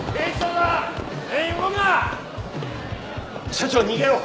社長逃げよう！